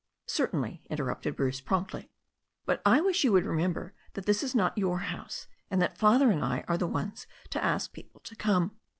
"Certainly," interrupted Bruce promptly. "But I wish you would remember that this is not yotir house, and that Father and I are the ones to ask people to come.